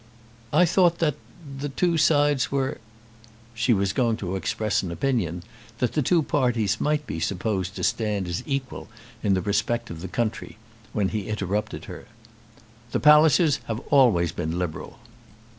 "I thought that the two sides were " She was going to express an opinion that the two parties might be supposed to stand as equal in the respect of the country, when he interrupted her. "The Pallisers have always been Liberal.